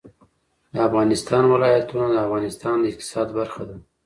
د افغانستان ولايتونه د افغانستان د اقتصاد برخه ده.